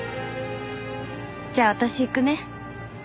じゃあ私行くね。